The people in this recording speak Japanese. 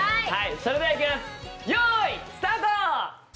それではいきます、用意スタート。